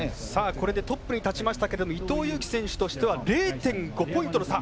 これでトップに立ちましたけども伊藤有希選手としては０．５ポイントの差。